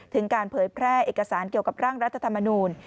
ถึงการเผยแพร่เอกสารเกี่ยวกับร่างรัฐธรรมนูล